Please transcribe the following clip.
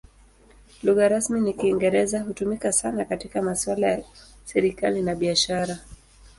Lugha rasmi ni Kiingereza; hutumika sana katika masuala ya serikali na biashara.